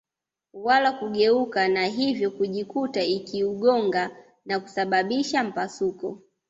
wala kugeuka na hivyo kujikuta ikiugonga na kusababisha mpasuko